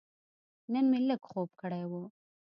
نن مې لږ خوب کړی و.